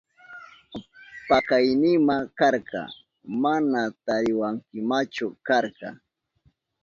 Pakaynima karka, mana tariwankimachu karka.